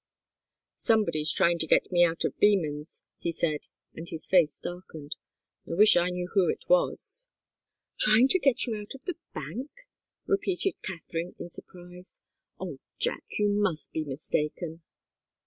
"Somebody's trying to get me out of Beman's," he said, and his face darkened. "I wish I knew who it was." "Trying to get you out of the bank?" repeated Katharine, in surprise. "Oh, Jack, you must be mistaken."